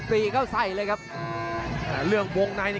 อื้อหือจังหวะขวางแล้วพยายามจะเล่นงานด้วยซอกแต่วงใน